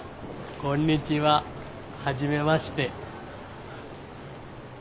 こんにちは初めまして。